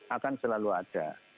akan selalu ada